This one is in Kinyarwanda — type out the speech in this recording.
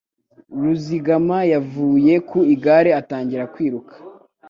Ruzigama yavuye ku igare atangira kwiruka.